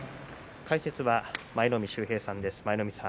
解説は舞の海秀平さんです。